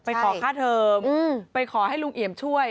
ขอค่าเทอมไปขอให้ลุงเอี่ยมช่วย